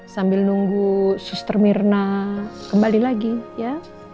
sambil nunggu suster mirna kembali lagi ya